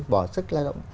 bỏ sức lao động